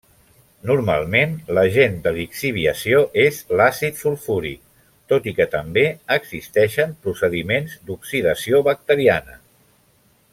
Normalment l’agent de lixiviació és l’àcid sulfúric, tot i que també existeixen procediments d’oxidació bacteriana.